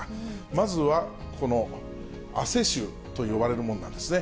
まずはこの汗臭と呼ばれるものなんですね。